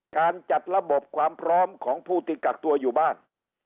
การจัดระบบความพร้อมของผู้ที่กักตัวอยู่บ้าน